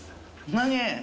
何？